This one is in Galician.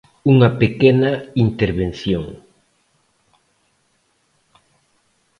Unha pequena intervención.